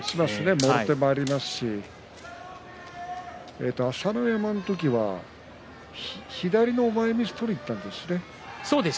もろ手もありますし朝乃山の時は左の前みつ取りにいったんですね。